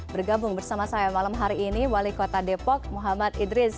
bergabung bersama saya malam hari ini wali kota depok muhammad idris